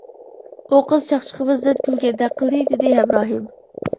» ئۇ قىز چاقچىقىمىزدىن كۈلگەندەك قىلدى «دېدى ھەمراھىم.